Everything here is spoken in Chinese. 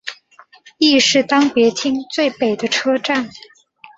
亦是当别町最北的车站。